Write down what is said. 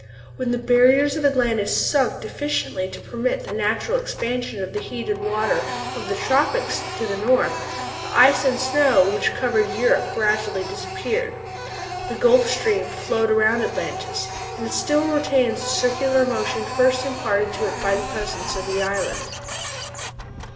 When the barriers of Atlantis sunk sufficiently to permit the natural expansion of the heated water of the tropics to the north, the ice and snow which covered Europe gradually disappeared; the Gulf Stream flowed around Atlantis, and it still retains the circular motion first imparted to it by the presence of that island.